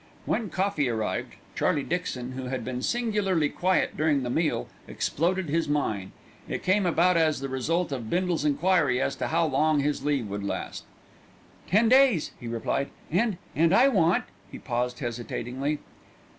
When coffee arrived, Charlie Dixon, who had been singularly quiet during the meal, exploded his mine. It came about as the result of Bindle's enquiry as to how long his leave would last. "Ten days," he replied, "and and I want " He paused hesitatingly.